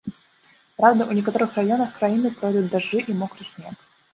Праўда, у некаторых раёнах краіны пройдуць дажджы і мокры снег.